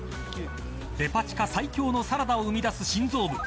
デパ地下最強のサラダを生み出す心臓部。